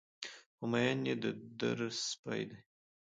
خو مين يې د در سپى دى